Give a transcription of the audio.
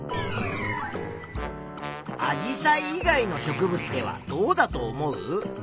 アジサイ以外の植物ではどうだと思う？